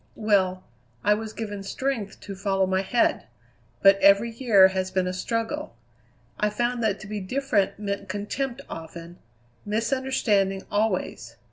Well, I was given strength to follow my head; but every year has been a struggle. I found that to be different meant contempt often, misunderstanding always.